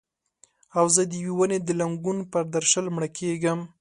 او زه د یوې ونې د لنګون پر درشل مړه کیږم